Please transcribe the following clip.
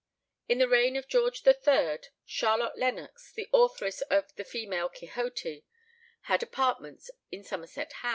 In the reign of George III., Charlotte Lennox, the authoress of the Female Quixote, had apartments in Somerset House.